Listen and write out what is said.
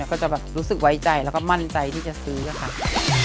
ก็จะรู้สึกไว้ใจและมั่นใจสืบคอบค่ะ